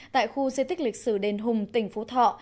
tại khu di tích lịch sử đền hùng tỉnh phú thọ